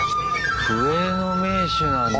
笛の名手なんだ。